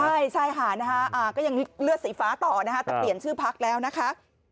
ใช่ใช่ค่ะนะคะก็ยังเลือดสีฟ้าต่อนะคะแต่เปลี่ยนชื่อพักแล้วนะคะ